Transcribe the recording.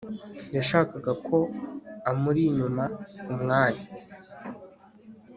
yashakaga ko amuri inyuma, umwanya